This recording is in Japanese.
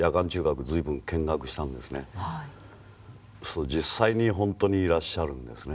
すると実際に本当にいらっしゃるんですね。